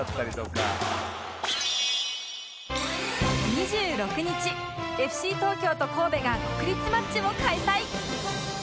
２６日 ＦＣ 東京と神戸が国立マッチを開催